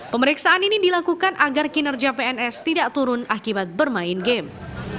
pemeriksaan ini dilakukan agar kinerja pns tidak turun akibat bermain game